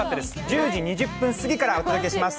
１０時２０分過ぎからお届けします。